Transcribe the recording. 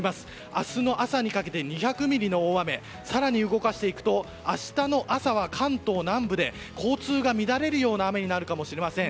明日の朝にかけて２００ミリの大雨更に動かしていくと明日朝は関東南部で交通が乱れるような雨になるかもしれません。